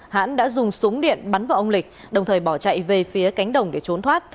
hãn đã dùng súng điện bắn vào ông lịch đồng thời bỏ chạy về phía cánh đồng để trốn thoát